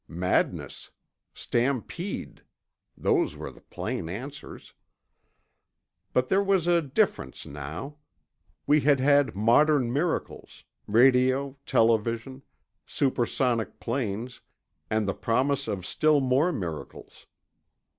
Madness. Stampede. Those were the plain answers. But there was a difference now. We had had modern miracles, radio, television, supersonic planes, and the promise of still more miracles.